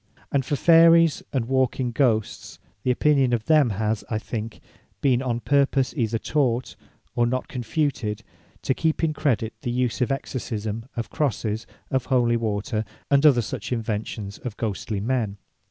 And for Fayries, and walking Ghosts, the opinion of them has I think been on purpose, either taught, or not confuted, to keep in credit the use of Exorcisme, of Crosses, of holy Water, and other such inventions of Ghostly men.